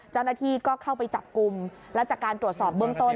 เจ้าหน้าที่ก็เข้าไปจับกลุ่มและจากการตรวจสอบเบื้องต้น